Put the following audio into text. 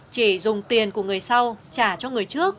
chỉ dùng tiền của người sau trả cho người trước